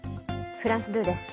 フランス２です。